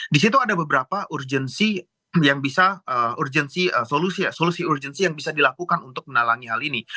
di situ ada beberapa urgensi yang bisa solusi urgensi yang bisa dilakukan untuk menalangi hal ini